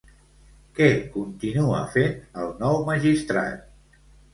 Què continua fent el nou magistrat?